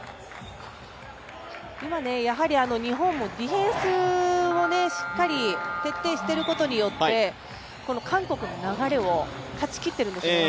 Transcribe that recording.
今、日本もディフェンスをしっかり徹底してることによって韓国の流れを断ち切ってるんですよね。